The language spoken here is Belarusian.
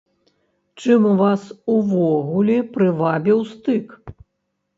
Чым вас увогуле прывабіў стык?